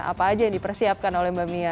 apa aja yang dipersiapkan oleh mbak mia